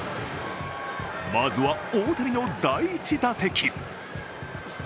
まずは大谷の第１打席。